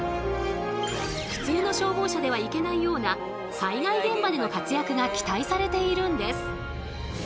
普通の消防車では行けないような災害現場での活躍が期待されているんです。